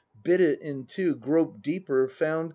Bit it in two, groped deeper, found.